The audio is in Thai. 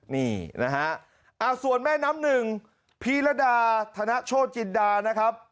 นี่นะฮะส่วนแม่น้ำหนึ่งพีรดาธนโชจินดานะครับ